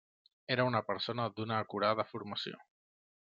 Era una persona d'una acurada formació.